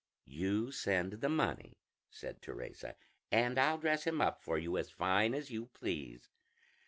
"You send the money," said Teresa, "and I'll dress him up for you as fine as you please."